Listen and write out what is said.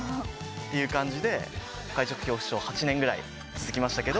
という感じで、会食恐怖症、８年ぐらい続きましたけど。